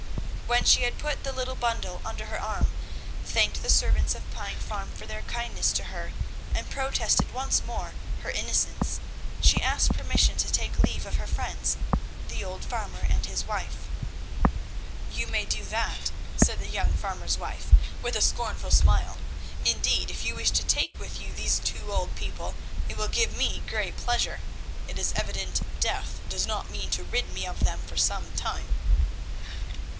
When she had put the little bundle under her arm, thanked the servants of Pine Farm for their kindness to her and protested once more her innocence, she asked permission to take leave of her friends, the old farmer and his wife. "You may do that," said the young farmer's wife, with a scornful smile; "indeed, if you wish to take with you these two old people, it will give me great pleasure. It is evident death does not mean to rid me of them for some time."